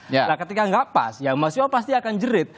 nah ketika nggak pas ya mahasiswa pasti akan jerit